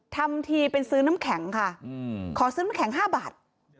ทำทีเป็นซื้อน้ำแข็งค่ะขอซื้อน้ำแข็ง๕บาท